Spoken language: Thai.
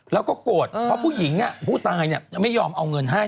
แล้วก็โกรธเพราะผู้หญิงผู้ตายไม่ยอมเอาเงินให้